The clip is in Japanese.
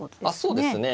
そうですね。